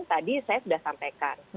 tadi saya sudah sampaikan